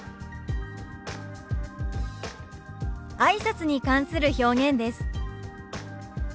「あいさつ」に関する表現です。